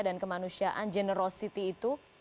dan kemanusiaan generosity itu